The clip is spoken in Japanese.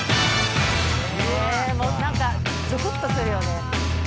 もう何かぞくっとするよね。